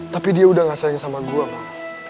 tapi dia udah gak sayang sama gue